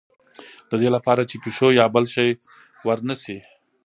د دې لپاره چې پیشو یا بل شی ور نه شي.